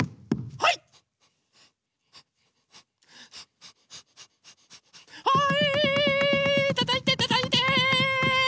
はいたたいてたたいて！